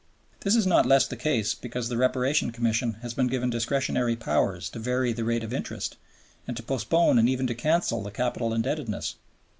This is not less the case because the Reparation Commission has been given discretionary powers to vary the rate of interest, and to postpone and even to cancel the capital indebtedness.